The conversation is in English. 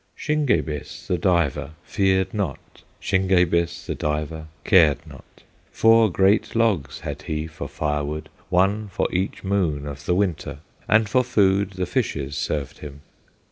Shingebis, the diver, feared not, Shingebis, the diver, cared not; Four great logs had he for firewood, One for each moon of the winter, And for food the fishes served him.